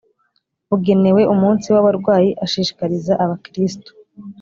bugenewe umunsi w’abarwayi ashishikariza abakirisitu